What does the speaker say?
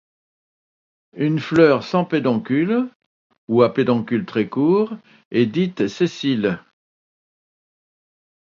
Une fleur sans pédoncule, ou à pédoncule très court, est dite sessile.